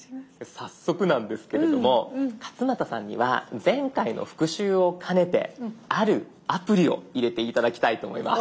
早速なんですけれども勝俣さんには前回の復習を兼ねてあるアプリを入れて頂きたいと思います。